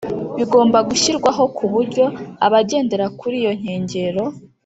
bigomba gushyirwaho ku buryo abagendera kuri iyo nkengero